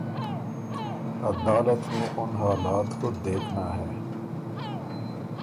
عدالت نے اُن حالات کو دیکھنا ہے